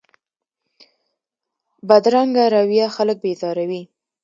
بدرنګه رویه خلک بېزاروي